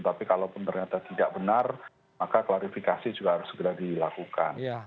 tapi kalau pun ternyata tidak benar maka klarifikasi juga harus segera dilakukan